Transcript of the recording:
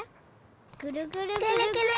ぐるぐるぐるぐる！